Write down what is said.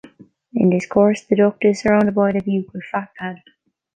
In this course, the duct is surrounded by the buccal fat pad.